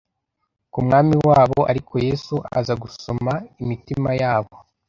k’Umwami wabo; ariko Yesu aza gusoma imitima yabo